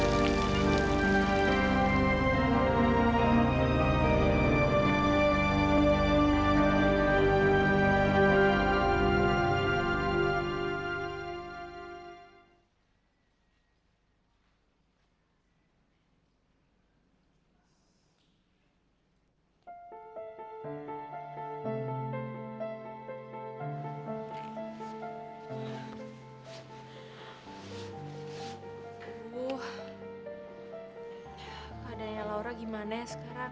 aduh keadaannya laura gimana sekarang